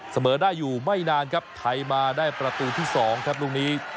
เสมอได้อยู่ไม่นานครับไทยมาได้ประตูที่๒ครับลูกนี้